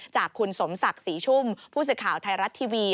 จากคุณสมศักดิ์ศรีชุ่มผู้สื่อข่าวไทยรัฐทีวี